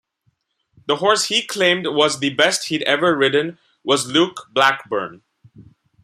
The horse he claimed was the best he'd ever ridden was Luke Blackburn.